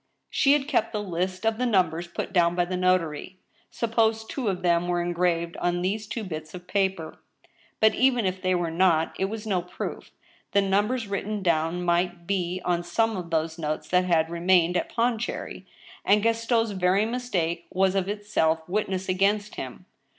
She had kept the list of the numbers put down by the notary. Suppose two of them were engraved on these two bits of paper ? But even if they were not, it was no proof; the numbers written down might be on some of those notes that had remained at Pondi cherry. And Gaston's very mistake was of itself witness against him.